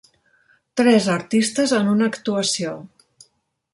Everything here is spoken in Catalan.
Tres artistes en una actuació.